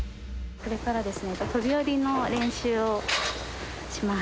これからですね、飛び降りの練習をします。